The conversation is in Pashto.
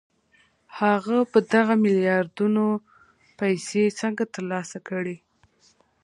هغه به دغه میلیاردونه پیسې څنګه ترلاسه کړي